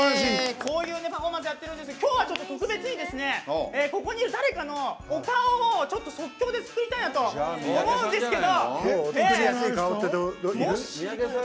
こういうパフォーマンスをやってるんですが、今日は特別にここにいる誰かのお顔を即興で作りたいんですけど。